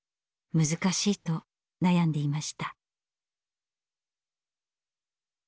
難しいと悩んでいました。